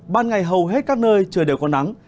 ban ngày hầu hết các nơi trời đều có nắng